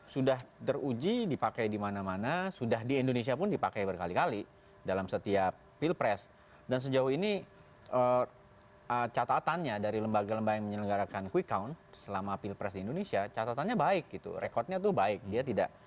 sudah teruji dipakai di mana mana sudah di indonesia pun dipakai untuk mencapai kemampuan yang berat dan